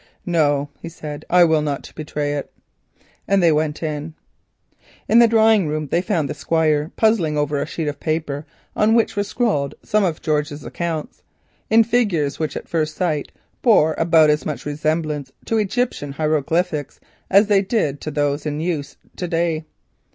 "No," he said, "I will not betray it." And they went in. In the drawing room they found the Squire puzzling over a sheet of paper, on which were scrawled some of George's accounts, in figures which at first sight bore about as much resemblance to Egyptian hieroglyphics as they did to those in use to day.